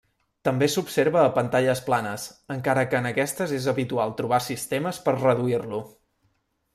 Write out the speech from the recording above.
També s'observa a pantalles planes encara que en aquestes és habitual trobar sistemes per reduir-lo.